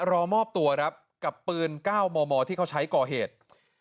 รอมอบตัวครับกับปืน๙มมที่เขาใช้ก่อเหตุ